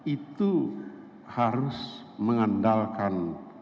itu harus mengandalkan